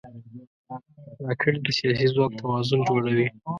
راکټ د سیاسي ځواک توازن جوړوي